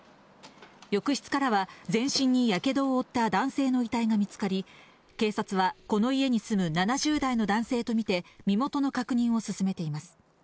浴室からは全身にやけどを負った男性の遺体が見つかり、警察はこの家に住む７０代の男性と見て、身元の確認を進めています。